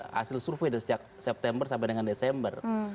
hasil survei dari sejak september sampai dengan desember